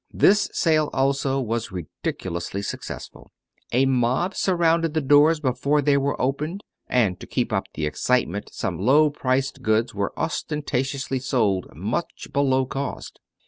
This sale also was ridiculously successful. A mob surrounded the doors before they were opened, and to keep up the excitement some low priced goods were ostentatiously sold much below cost.